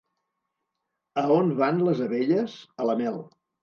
A on van les abelles? A la mel.